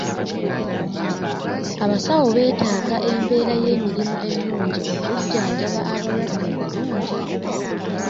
Abasawo beetaaga embeera y'emirimu ennungi okujjanjaba abalwadde obulungi.